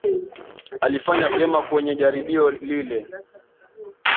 Alifanya vyema kwenye jaribio lile